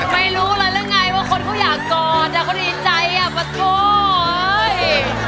ไม่รู้เลยว่าคนเขาอยากกอดอ่ะคนอินใจอ่ะปะจวน